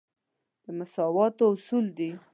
د مساواتو اصول دی.